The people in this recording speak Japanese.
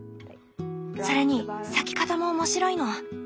それに咲き方も面白いの。